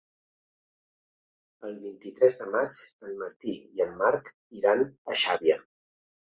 El vint-i-tres de maig en Martí i en Marc iran a Xàbia.